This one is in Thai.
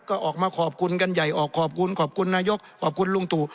ก็ออกมาขอบคุณกันใหญ่ออกขอบคุณขอบคุณนายกขอบคุณลุงตู่